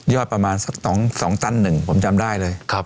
ยอดประมาณสัก๒ตั้น๑ผมจำได้เลย